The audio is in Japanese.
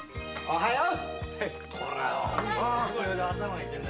おはよう。